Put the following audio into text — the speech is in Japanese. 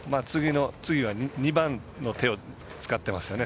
次は２番の手を使ってますよね。